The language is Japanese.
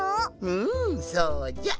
うんそうじゃ。